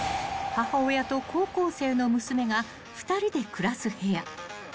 ［母親と高校生の娘が２人で暮らす部屋］